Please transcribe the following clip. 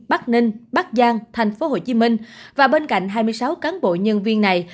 bắc ninh bắc giang tp hcm và bên cạnh hai mươi sáu cán bộ nhân viên này